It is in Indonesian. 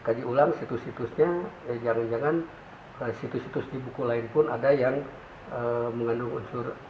kaji ulang situs situsnya jangan jangan situs situs di buku lain pun ada yang mengandung unsur